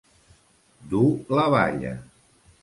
Dur la balla.